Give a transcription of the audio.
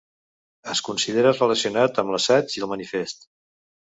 Es considera relacionat amb l'assaig i el manifest.